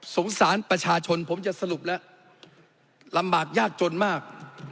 สารประชาชนผมจะสรุปแล้วลำบากยากจนมาก